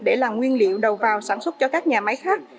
để làm nguyên liệu đầu vào sản xuất cho các nhà máy khác